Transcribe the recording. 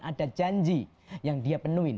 ada janji yang dia penuhin